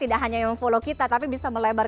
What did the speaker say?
tidak hanya yang follow kita tapi bisa melebar